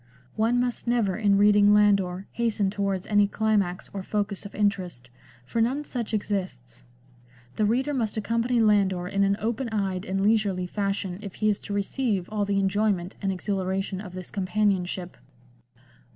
One must never in reading Landor hasten towards any climax or focus of interest, for none such exists ; the reader must accompany Landor in an open eyed and leisurely fashion if he is to receive all the enjoyment and exhilaration of this companionship.